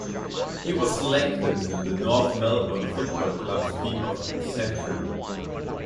He was selected in the North Melbourne Football Club's Team of the Century.